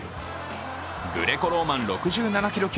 グレコローマン６７キロ級、